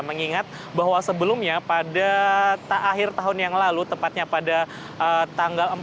mengingat bahwa sebelumnya pada akhir tahun yang lalu tepatnya pada tanggal empat